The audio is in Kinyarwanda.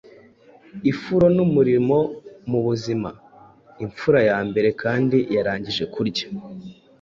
ifuro n'umurimo mubuzima, imfura yambere kandi yarangije kurya!